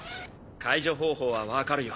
解除方法は分かるよ。